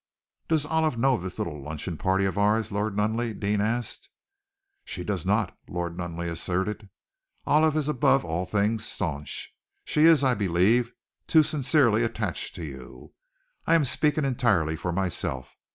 "Does Olive know of this little luncheon party of ours, Lord Nunneley?" Deane asked. "She does not," Lord Nunneley asserted. "Olive is, above all things, staunch. She is, I believe, too, sincerely attached to you. I am speaking entirely for myself.